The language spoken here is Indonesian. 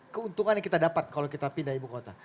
keuntungan yang kita dapat kalau kita pindah ibu kota